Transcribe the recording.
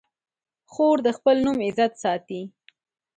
خور د خپل نوم عزت ساتي.